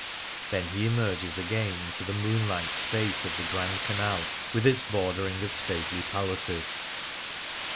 Then he emerges again into the moonlight space of the Grand Canal, with its bordering of stately palaces.